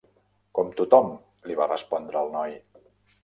"Com tothom", li va respondre el noi.